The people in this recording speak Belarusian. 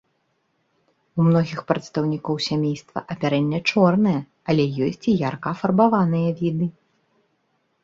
У многіх прадстаўнікоў сямейства апярэнне чорнае, але ёсць і ярка афарбаваныя віды.